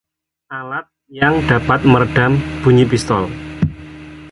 alat yang dapat meredam bunyi pistol